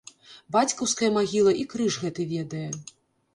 Бацькаўская магіла і крыж гэты ведае!